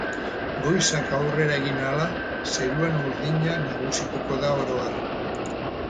Goizak aurrera egin ahala zeruan urdina nagusituko da oro har.